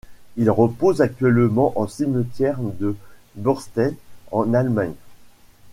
Il repose actuellement au cimetière de Bornstedt en Allemagne.